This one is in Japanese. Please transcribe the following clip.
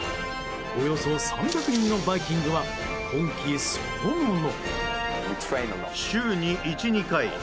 およそ３００人のバイキングは本気そのもの。